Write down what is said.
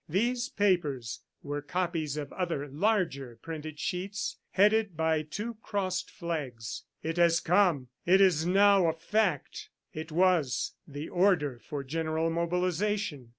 These papers were copies of other larger printed sheets, headed by two crossed flags. "It has come; it is now a fact!". .. It was the order for general mobilization.